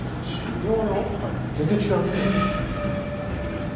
全然違うねえ。